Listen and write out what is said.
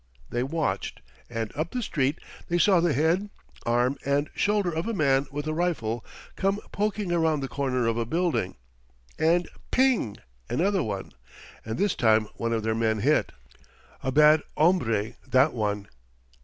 They watched, and up the street they saw the head, arm, and shoulder of a man with a rifle come poking around the corner of a building, and ping! another one, and this time one of their men hit. A bad hombre, that one.